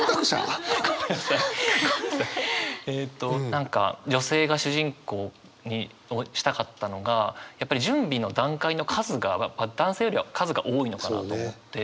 何か女性が主人公にしたかったのがやっぱり準備の段階の数が男性よりは数が多いのかなと思って。